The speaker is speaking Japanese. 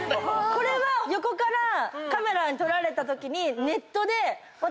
これは横からカメラに撮られたときにネットで私。